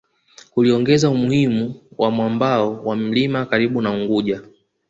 Kuliongeza umuhimu wa mwambao wa mlima karibu na Unguja